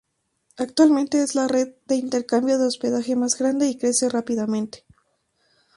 Actualmente es la red de intercambio de hospedaje más grande y crece rápidamente.